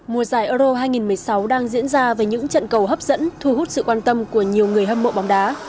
mùa giải euro hai nghìn một mươi sáu đang diễn ra với những trận cầu hấp dẫn thu hút sự quan tâm của nhiều người hâm mộ bóng đá